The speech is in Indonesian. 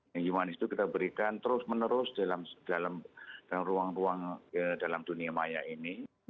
yang humanis itu kita berikan terus menerus dalam ruang ruang dalam dunia maya ini